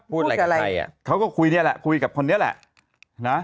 พูดอะไรกับใครอ่ะเขาก็คุยนี่แหละคุยกับคนนี้แหละนะ